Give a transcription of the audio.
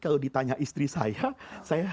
kalau ditanya istri saya saya